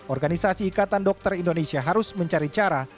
organisasi ikatan dokter indonesia harus mencari cara